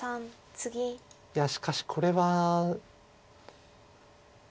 いやしかしこれは。